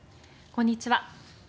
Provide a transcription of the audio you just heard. こんにちは。